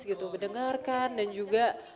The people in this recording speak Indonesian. gitu mendengarkan dan juga